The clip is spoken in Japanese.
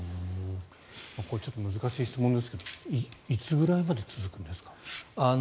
これ、難しい質問ですがいつぐらいまで続くんですか。